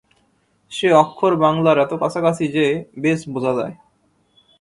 সে অক্ষর বাঙলার এত কাছাকাছি যে, বেশ বোঝা যায়।